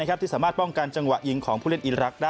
แต่ผมยังเกินขึ้น